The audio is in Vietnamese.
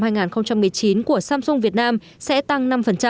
năm hai nghìn một mươi chín của samsung việt nam sẽ tăng năm